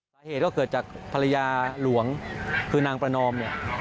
สาเหตุก็เกิดจากภรรยาหลวงคือนางประนอมเนี่ย